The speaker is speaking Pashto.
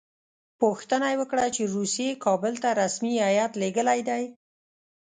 پوښتنه یې وکړه چې روسیې کابل ته رسمي هیات لېږلی دی.